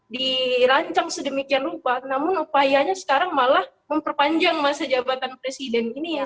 dirancang sedemikian rupa namun upayanya sekarang malah memperpanjang masa jabatan presiden ini ya